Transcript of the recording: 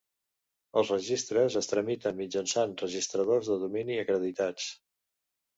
Els registres es tramiten mitjançant registradors de domini acreditats.